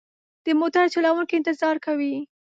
د موټر چلوونکی انتظار کوي.